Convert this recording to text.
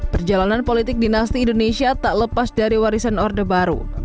perjalanan politik dinasti indonesia tak lepas dari warisan orde baru